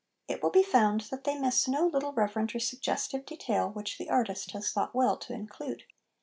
It will be found that they miss no little reverent or suggestive detail which the artist has thought well to include.